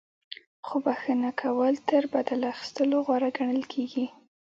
خو بخښنه کول تر بدل اخیستلو غوره ګڼل کیږي.